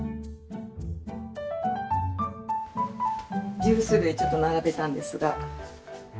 ジュース類ちょっと並べたんですが。